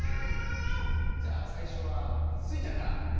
じゃあさいしょはスイちゃんから！